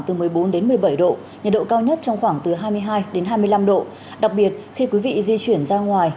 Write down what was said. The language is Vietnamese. từ một mươi bốn đến một mươi bảy độ nhiệt độ cao nhất trong khoảng từ hai mươi hai đến hai mươi năm độ đặc biệt khi quý vị di chuyển ra ngoài